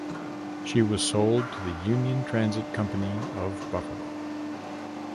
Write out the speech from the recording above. She was sold to the Union Transit Company of Buffalo.